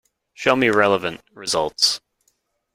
Show me relevant results.